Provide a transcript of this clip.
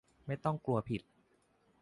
ไม่ต้องกลัวผิด